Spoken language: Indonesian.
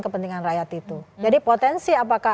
kepentingan rakyat itu jadi potensi apakah